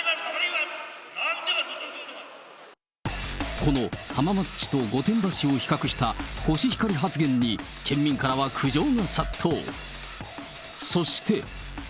この浜松市と御殿場市を比較したコシヒカリ発言に県民からは苦情が殺到。